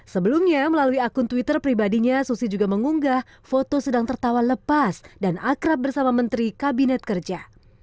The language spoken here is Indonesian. sebelumnya melalui akun twitter pribadinya susi juga mengunggah foto sedang tertawa lepas dan akrab bersama menteri kabinet kerja